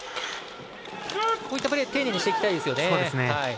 こういったプレー丁寧にしていきたいですね。